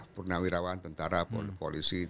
pernah wirawan tentara polisi